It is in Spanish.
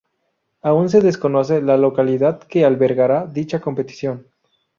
Aún se desconoce la localidad que albergará dicha competición.